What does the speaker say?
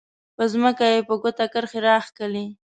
په ځمکه یې په ګوته کرښې راښکلې.